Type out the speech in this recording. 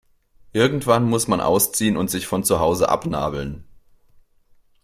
Irgendwann muss man ausziehen und sich von zu Hause abnabeln.